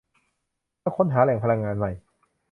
และค้นหาแหล่งพลังงานใหม่